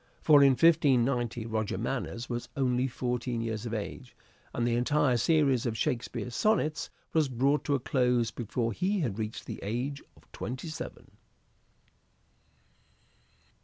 For in 1590 Roger Manners was only fourteen years of age, and the entire series of Shakespeare's Sonnets was brought to a close before he had reached the age of twenty seven.